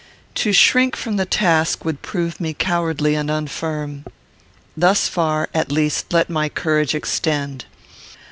To shrink from the task would prove me cowardly and unfirm. Thus far, at least, let my courage extend.